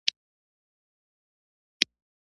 ژبه د نه پوهېدو د فاصلې پای ده